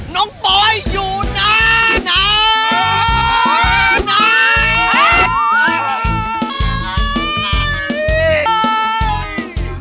น้องปุ๋ยอยู่หน้า